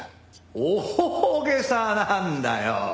大げさなんだよ。